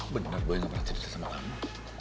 bener boy gak pernah cerita sama kamu